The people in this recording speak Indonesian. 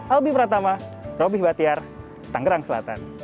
albi pratama robby batiar tangerang selatan